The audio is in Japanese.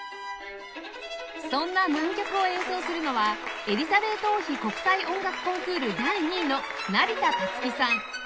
そんな難曲を演奏するのはエリザベート王妃国際音楽コンクール第２位の成田達輝さん